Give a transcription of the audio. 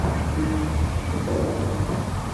ইশ, ছুটে গেল!